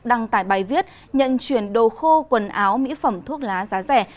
đăng tải bài viết nhận chuyển đồ khô quần áo mỹ phẩm thuốc lá giá rẻ